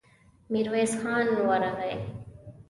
ميرويس خان ورغی.